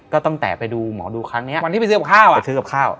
ก็ตั้งแต่ไปดูหมอดูครั้งเนี้ยวันที่ไปซื้อกับข้าวอ่ะไปซื้อกับข้าว